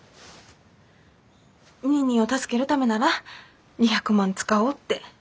ニーニーを助けるためなら２００万使おうって。